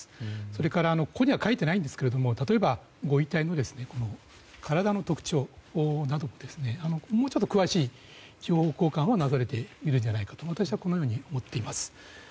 それから、ここには書いてないんですけれども例えば、ご遺体の体の特徴などもうちょっと詳しい情報交換がなされているんじゃないかと私は思っています。